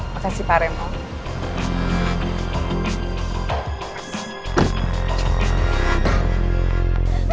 makasih pak remon